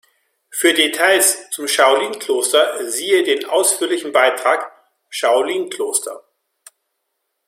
Für Details zum Shaolin-Kloster siehe den ausführlichen Beitrag: Shaolin-Kloster.